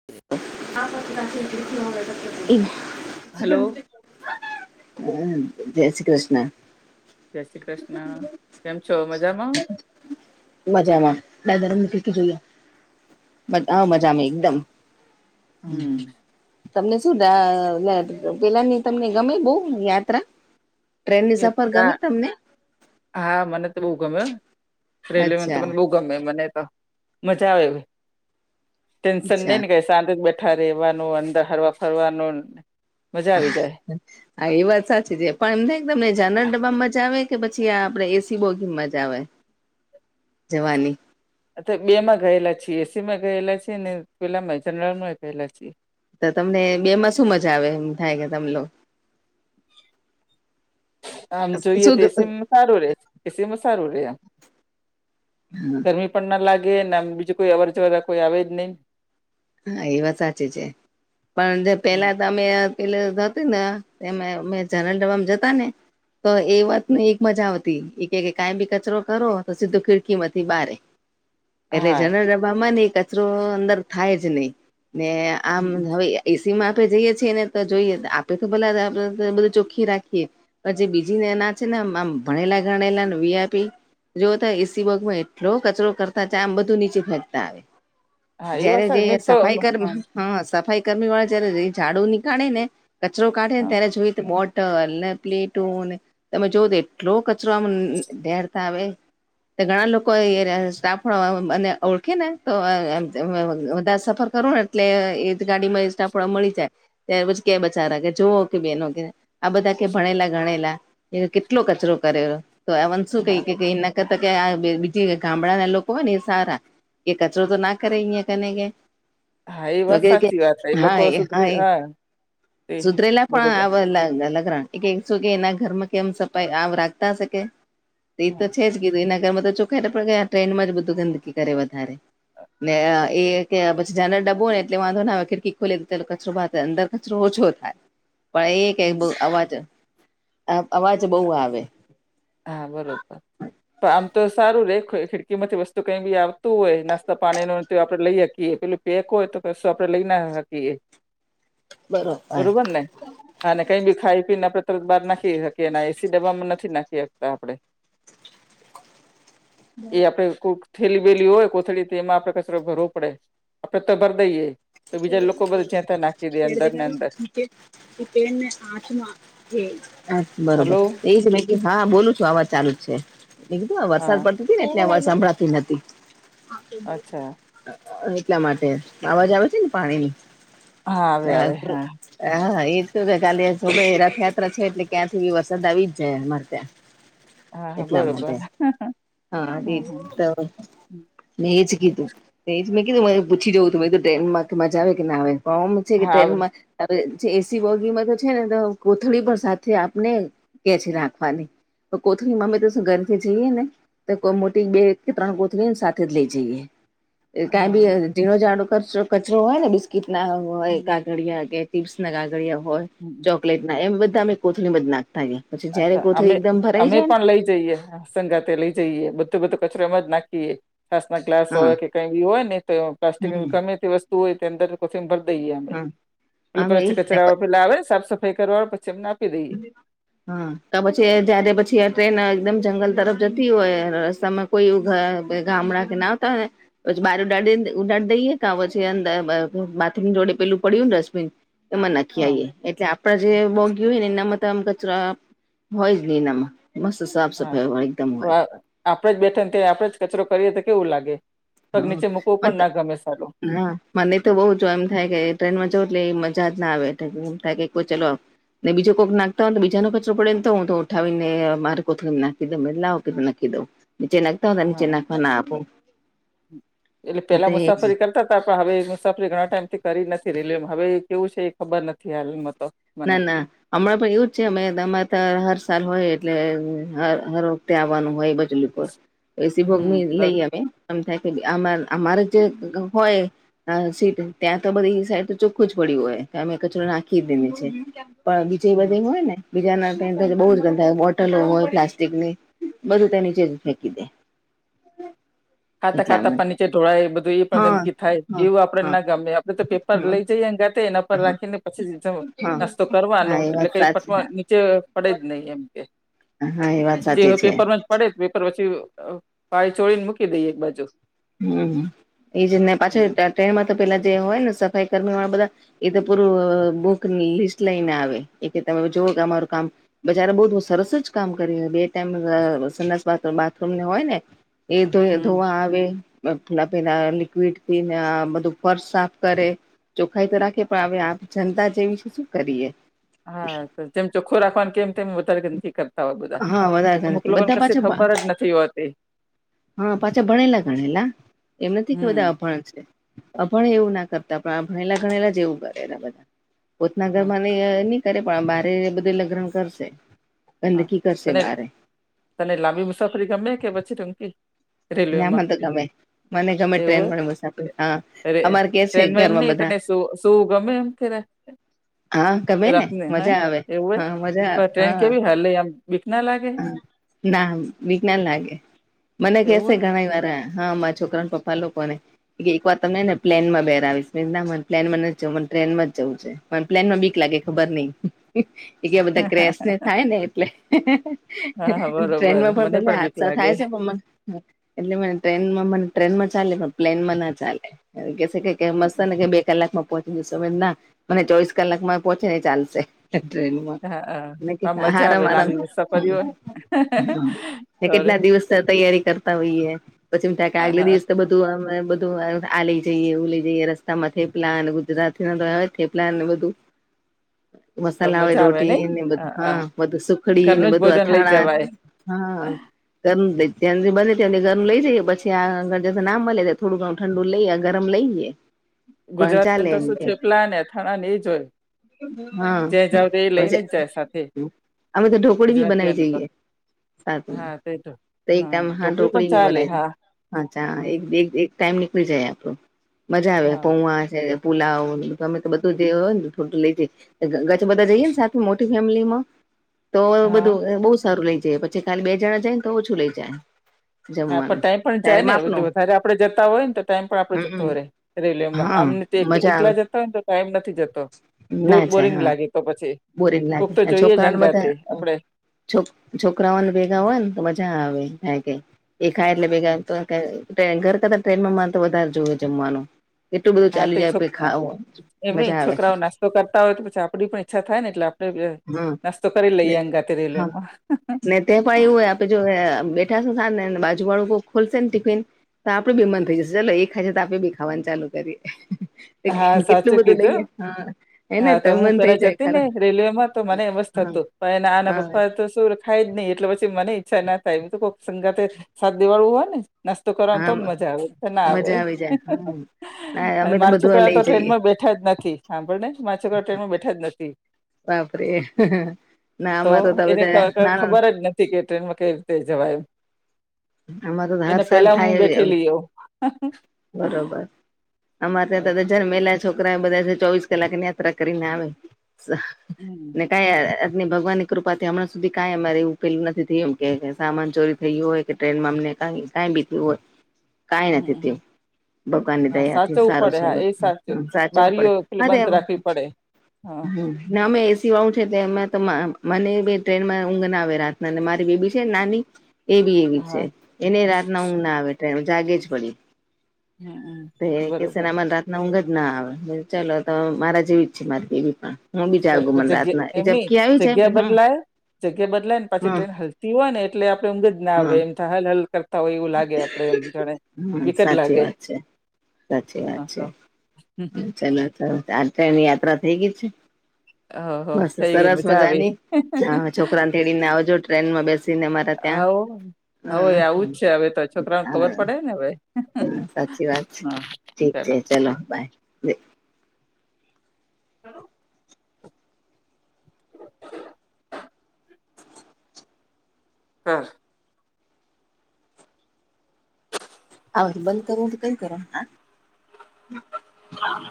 આ [inaudible] હ હલો જય શ્રી કૃષ્ણ. જય શ્રી કૃષ્ણ કેમ છો મજામાં મજામાં હા મજામાં એકદમ હમ તમને શું પેલા ની તમને ગમે બહુ યાત્રા ટ્રેનની એ સફર ગમે તમને હા મને તો બહુ ગમે રેલ્વેમાં તો અચ્છા મને બહુ ગમે મને તો મજા આવે ટેન્શન નઈ અચ્છા ને કાઈ શાંતિથી બેઠા રહેવાનું અંદર હરવા ફરવાનું ન હા એ વાત સાચી છે પણ એમ થાય કે તમને જનરલ ડબ્બામાં મજા આવે કે પછી આ આપડે એસી બોગીમાં મજા આવે જવાની અત્યારે બે માં ગયેલા છીએ એસી માં ગયેલા છે ને પેલામાં જનરલ માં ગયેલા છીએ તો તમને બે માં શું મજા આવે એમ થાય કે તમ લો આમ જોઈએ શું તો એસીમાં સારું રે એસીમાં સારું રહે એમ ગરમી પણ ના લાગે ને આમ બીજું કોઈ અવર જવર કોઈ આવે જ નહી હા એ વાત સાચી છે પણ જે પહેલા અમે પે હતું ને અમે જનતલ ડબ્બા જતા ને તો એ વાતને એક મજા આવતી એ કે કાયમી કચરો કરો તો સીધું ખીડકીમાંથી બારે એટલે હા જનરલ ડબ્બામાં ને કચરો અંદર થાય જ નહી ને આમ હવે એસી માં આપે જઈએ છીએ ને તો જોઈએ આપે તો ભલા બધું ચોખ્ખી રાખીએ પછી બીજીને એના છે ને આમ ભણેલા ગણેલાને વીઆઇપી જો તો એસી બોગીમાં એટલો કચરો કરતા જાય આમ બધું નીચે ફેંકતા આવે હા એ જયારે વાત જે સફાઈ કર્મ હા સફાઈ કર્મી વાળા જયારે ઝાડુ નીકાળે ને કચરો કાઢે ને હા ત્યારે જોઈએ તો બોદ ટલ ને પ્લેટોને તમે જોવ તો એટલો કચરોમાં ઢેરતા આવે તો ઘણા લોકો સ્ટાફવાળા મને ઓળખે ને તો વધારે ફર ફર કરુને એટલે એ જ ગાડીમાં એ સ્ટાફવાળા મળી જાય ત્યાર પછી કે બચારા કે જુઓ કે બેનો કે આ બધા કે ભણેલા ગણેલા એ કેટલો કચરો કરેલો તો એ શું હા કઈ કે ક કે કરતા આ બીજી ગામડા ના લોકો હોય ને એ સારા એ કચરો તો ના કરે અહી કને કે હા એ તો વાત કે સાચી વાત એ લોકો સુધરે હા તે સુધરેલા બરોબર પણ આ લગરણ કીશું કે એના ઘરમાં કેમ સફાઈ આમ રાખતા શકે કે ઈ તો હા છે જ કીધું એના ઘરમાં તો એ કે ટ્રેનમાં જ બધું ગંદકી કરે વધારે ને હા એ સાચી વાત. કે જનરલ ડબો ને એટલે વાંધો ના આવે ખિરકી ખોલીયે તો કચરો બહાર અંદર કચરો ઓછો થાય પણ એ કે બ હમ અવાજ અવાજ બહુ આવે હા બરોબર આમ તો સારું રેખું ખિડકી માંથી વસ્તુ કઈ બી આવતું હોય નાસ્તા પાણી ન તો આપડે લઈ શકીએે પેલું પેક હોય તો કશું આપડે લઈ ના હકીએ બરોબર હા બરોબરને અને કંઈ બી ખાઈ પીને તરત બહાર નાખી શકીએ અને એસી ડબ્બામાં નથી નાખી શકતા આપણે એ આપડે કોઈ. થેલી બેેલી હોય કોથળી એમાં આપડે કચરો ભર પડે આપડે તો ભર દઈએ. તો બીજા લોકો બધા જ્યાંતા નાખી દે અંદર ને અંદર ને આમા બરોબર હલો એ જ ને કે હા બોલું છું આવાજ ચાલુ જ છે કીધું વરસાદ હા પડતી ને અવાજ સંભળાતી નથી. અચ્છા એટલા માટે અવાજ આવે છે ને પાણીની હા આવે આવે રાખુ હા હ હા એજ થ કે કાલે રથયાત્રા છે એટલે ક્યાંથી વરસાદ આવી જાય અમારે ત્યાં. એટલા માટે હા ર. મેં એજ કીધું એજ મેં કીધું મ પૂછી જવું તું ટ્રેનમાં મજા આવે કે ના આવે હા પણ. આવડે. પમાં. એસી વોગીમાં તો છે ને તો કોથળી પણ સાથે આપને કે છે રાખવાની. તો કોથળી મમ્મી તો ઘરથી જઈએ ને.. કોઈ મોટી બે કે ત્રણ ગોથળને સાથે જ લઈ જઈએ. કં હા બી બરોબર ઝીણો ઝાડો કરો કચરો હોય ને બિસ્કીટ ના હોય હમ કાાગડિયા કે ટીપ્સને ગાગળિયા હોય. હમ ચોકલેટ એમ બધા અમે કોથળી જ નાખતાયા. અચ્છા અમે અમે પણ લઈ જઈએ. સંગા લઈ જઈએ બધું બધું કચરોમાં જ નાખીએ. છાસ ના ગ્લાસ હા હોય કે કઈ બ હોય ને તો પ્લાસ્ટિકની હમ ગમે તે વસ્તુ હોય તે અંદર ભર દઈએમે હા પ અમે પછી એ કચરા પેલા આવે સાફ સફાઈ કરવા પછી એમ. હમ. હા તો પછી જય્યારે પછી ટ્રેન એકદમ જંગલ તરફ જતી. હોય રસ્તામાં કોઈ ઘર ગામડા કે નાતા પછી બાર ઉડ ઉડાડી દઈએ ક પછીર બાથરૂમ જોડે પેલું પડય્યું ને ડસ્ટબિન. એમાં નક્કી હા આવીઈએ. એટલે આપણે જે બ જોયું ને નમતમ કચરા હોય જ નહી એમાં. મસ્ સા. હા તો આપડે જ બેઠા ને ત્યા આપણેે જ કચરો કરીએ તો કેવું લાગે. તોગ નીચે મૂકવું પણ હ ના ગમે સારું હા મને તો બઉુ જો એમ થાય કે ટ્રેનમાં જવ એટલે મજા જ ના આવે. એમ થાય કે ચાલ ને બીજો કોક નાખતા હોય તો બીજો કચરો પડે ને તો હું તો ઉઠાવીને મારે કોને નાખી દઉં લાવ કે નાખી દઉં નીચે નાખતા હો નીચે હા નાખવા ના આપું. એટલે હું તો પેલા એ જ મુસાફરી કરતા. પણ હવે મુ સફરી ઘણા ટાઈમ થી કરી નથી રેલીમ હવે એ કેવું છે એ ખબર નથી. હાલમાં તો મને ના ના. હમણાં પણ એવું જ છે અમેરે હર સાલ હોય એટલે હર વખતે આવવાનું હોય બજલું. એસી હમ ભોગી દર લઈએ અમે એમ થાય કે અમારે જે હોય. હા સીટ ત્યાં તો બધી એ સાઈડ તો ચોખું જ પડ્યું હોય. અમે કચરો નાખી જ દઈને. પણ બીજું એ હમ બધા એ હોય ને. બીજાના થ બહુ ગંધ થાય. બોટલો હોય પ્લાસ્ટિક ની બધું તેની ચજ ફેંકી દે. ખાતા એટલા ખાતા પણ માટે નીચે ઢોળાય એ બધું એ પણ હા ગંદકી થાય હા એવું આપડે હા ના ગમે. આપડે તો પે લઈ જઈએ ગાતે એના પર રાખીને પછી હા નાસ્તો કરવાનો. હા એ એટલે વાત કઈ સાચી પટ ચ પડે જ નહી એમ કે હા એ વાત જે હ સાચી છે પેપર માં પડે જ પેપર પછી પાય ચોળને મૂકી દઈ એક બાજુ. હમ એજ ને પાછ ટ્રેનમાં તો પેલા જે હોય ને સફાઈ કર્મી વાળા બધા એ તો પૂરું બુક લિસ્ટ લઈને આવે. એ કે તમે જોઓ કે અમારું કામ બજારે બહ સરસ જ કામ કરી બે ટાઈમસ બાથરૂમને હોય ને. એતો એ હમ ધોવા આવે. પેલા પેલા લિક્વિડ થી ને આ બધું ફર્શ સાફ કરે. ચોખાઈ તો રાખે પણ હવે આપ જનતા જેવી છે શું કરીએ. હા જેમ ચોખ્ખું રાખવાનું કેમ તેમ વધારે કરતા હોય બધા. હા વધારે અમુક લોકોને બધા કશી પાછા ખબર જ નથી હોતી. હા તો પાછા ભણેલા ગણેલા એમ નથી કે બધા હમ અ ભણ છે. અ ભણ એવું ના કરતા પણ ભણેલા ભણેલા જ એવું કરેલા બધા. પોતના ઘર હા માં નહી કરે પણ બારે બધે લગ્ન કરશે. હા ગંદકી કરશે તને બારે. તને લાંબી મુસાફરી ગમે કે પછી ટૂંકી. ના મને રેલવેમાં તો ગમે મને ગમે એવું ટ્રેન હોય વાળી મુસાફરી હા અમારે કે છે ઘરમાં બધા. તો શું ગમે એમ કે. હા ગમે ને રખને હે મજા આવે એવું હે હા મજા પણ ટ્રેન કેવી હાલે આમ બીક ના લાગે. હ ના બીક ના લાગે મને એવું કેસે હોય ઘણા વાર. હા માર છોકરાના પપા લોકોને. કે એકવાર તમને ને પ્લેન માં બરાવીશ ના મને પ્લેનમાં નથી જવું મને ટ્રેનમાં જવું છે. મને પ્લેનમાં બીક લાગે ખબર નઈ એ કે બધા ક્રેશને થાય ને એટલે. હા હા, બરોબર ટ્રેનમાં પણ મને ભલે બીક હાદસા લાગે થાય છે પણ મને. એટલે મને ટ્રેનમાં મને ટ્રેનમાં ચાલે પણ પ્લેનમાં ના ચાલે એ કે. મસ્ત હમ, નુ કે મને કે બે કલાકમાં પોહચી જશો ના મને ચોવીસ કલાકમાં પહોંચે ને એ ચાલશે. ટ્રેન માં હા હા પણ હા મજા આરામ આવે આરામ. હમ [unintelligible] અરે કેટલા દિવસ થા તૈયારી કરતા હોઈએ પછી એમ થાય કે આગલા હા દિવસ. બધું અમે બધું આ લઈ જઈએ ઉ લઈ જઈએ રસ્તામાં થેપલા ને ગુજરાત. થેપલા ને બધું. તો મસાલા હોય મજા આવે રોટી નઈ ને બધું હા બધું સુખડી ને ઘરનું જ બધું. ભોજન લઈ જવાય હા. ઘર જ્યાં સુધી બને ત્યાં સુધી ઘરનું લઈ જઈએ પછી આગળ જતા ના મળે ત્યાં થોડું ઘ. ઠંડુ લઈએ ગરમ લઈએ. પણ ગુજરાત ને ચાલે તો એમ શું કે થેપલા ને અથાણા ને એજ હોય. હા જ્યાં જાવ તો એ લઈને જ જાય સાથે પછી અમે તો ઢોકળી ભી બનાવી ગુજરાતીઓને તો જઈએ. સાચું હા તે તો એક ટાઈમ હા પણ ઢોકળી બી ચાલે બનાય છે હા અચ્છા હમ એક. એક એક ટાઈમ નીકળી જાય આપડું મજા આવે હા પવા છે. પુલાવ તમે તો બધું જે હોય ને થોડું લઈ જઈ. એટલે હંગાથે જઈએ ને સાથે મોટી ફેમિલી માં તો. હા બધું બહુ સારું લઈ જાય પછી ખાલી બે જણા જાયને તો ઓછું લઈ જાય. હા પણ જમવાનું ટાઈમ પણ જાય ત્યારે ને માપનું વધારે આપડે જતા હોય ને તો ટાઈમ પણ આપડે જતો હમ રહે. રેલવેમાં હા આમને મજા આવે એકલા જતા હોય ને તો ટાઈમ નથી જતો બ ના જાય બોરિંગ હા લાગે તો પછી. બોરિંગ કોક તો જોઈએ જ હંગાતે આપડે. છો છોકરાઓને ભેગા હોય ને તો મજા આવે એમ થાય કે એ ખાય એટલે ભેગા હમ તો. ઘર કરતા ટ્રેનમાં મારે તો વધારે જોવે જમવાનું. એટલું બધું ચાલી જાય પે ખાવ. એમેંય છોકરાઓ નાસ્તો કરતા હોય તો પછી આપડી પણ ઈચ્છા થાય ને એટલે આપડે. હમ નાસ્તો કરી લઈએ હંગાથે હા રેલવેમાં. ને તે પણ એવું છે આપડે જો બેઠા હસુ બાજુ વાળુ ખોલશે ને ટિફિન. તો આપડે બી મન થઈ જશે ચાલો એ ખાય છે તો આપડે બી ખાવાનું ચાલુ કરીએ. હા કેટલું સાચું બધું કીધું લઈએ હા હેને હા તો ત હું મન થઇ પેલા જાય જતી ને ખરા રેલવે માં તો મને એમજ હા થતું. પ આના હા પપા તો સુર. થાય જ નઈ એટલે પછી મને ઈચ્છા ના થાય હું તો કોક સંગાતે સાથ દેવાવાળું હોય ને. નાસ્તો કરવાનો તો હા મજા આવે ના આવે મજા આવી જાય હા ના અમે તો મારે. બધું છોકરાઓ લઈ તો જઈએ ટ્રેનમાં બેઠા જ નથી સાંભળ ને મારા છોકરાઓ ટ્રેન માં બેઠા જ નથી. બાપરે ના અમારે તો બધા ના. ટિકિટ ટ્રેનમાં કઈ રીતે જવાયમ અમાર તો એને હર સાલ પેલા હું થાય એવું બેઠેલી હોવ. બરોબર અમારે ત્યાં જમેલા છોકરા બધા ચોવીસ કલાક ની યાત્રા કરીને આવે. હમ ને કાય અને ભગવાન. કૃપાથી હમણાં સુધી કઈ અમારે એવું ફેલું નથી થય એમ કે સામાન ચોરી થય હોય ટ્રેનમાં અમને ક કઈ બીું હોય કઈ નથી તું હમ ભગવાનની હા દયા થી સાચવવું સારું પડે છે હા એ સાચું સાચવું બારીઓ પડે પેલી અરે બંધ એમ રાખવી પડે હા હમ નામે સિવાું છે એમાં તો મને ટ્રેનમાં ઊઘ ના આવે રાતનાને મારી બેબી છે ને નાની એવી એવી હા છે એને રાતના ઊંઘ ના આવે ટ જાગે જ પડી હમ બે કે બરોબર સને મન રાત ઊંઘ જ ના આવે ચાલો તો મારા જેવી જ છે મારી એવી પણ હું બી જાગુ મને જગ્યા રાતના એ એમની ઝબકી આવી જાય જગ્યા પણ બદલાય જગ્યા બદલાય ને પાછી હમ ટ્રેન હલતી હોય ને એટલે આપડ ઊંઘ જ ના આવે હમ એમ હલ હલ કર હોય એવું લાગે આપડે એમ જાણે હમ હમ વિક જ સાચી લાગે વાત છે સાચી હા વાત છે તો ચલો તો આ ટ્રેનની યાત્રા થઈ ગય છે હો બસ થઈ ગઈ સરસ મજા આવી મજાની હા છોકરાને થડીને આવજો ટ્રેનમાં બેસી ને મારા ત્યાં હ હ હ હ પડે ને હવે સાચી વાત હા છે ઠીક ચાલો છે ચાલ ચલો બાય હ હા આ બંધ કરો તો કઈ કરો ના હ